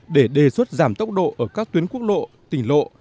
để đề xuất giảm tốc độ ở các tuyến quốc lộ tỉnh lộ